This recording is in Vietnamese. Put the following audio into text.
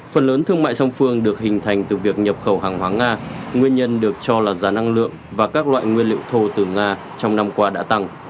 phần lớn thương mại song phương được hình thành từ việc nhập khẩu hàng hóa nga nguyên nhân được cho là giá năng lượng và các loại nguyên liệu thô từ nga trong năm qua đã tăng